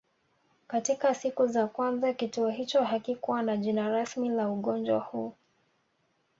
Katika siku za kwanza kituo hicho hakikuwa na jina rasmi la ugonjwa huu